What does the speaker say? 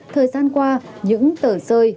thời gian qua những tờ rơi